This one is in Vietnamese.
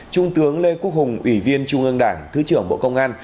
trung tướng lê quốc hùng ủy viên trung ương đảng thứ trưởng bộ công an